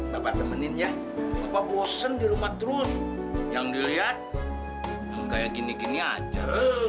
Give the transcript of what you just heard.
bapak temenin ya apa bosan di rumah terus yang dilihat kayak gini gini aja